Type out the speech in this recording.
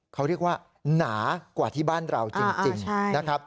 เขาเรียกว่าหนากว่าที่บ้านเราก็ต้อง